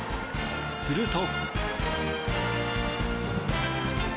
すると。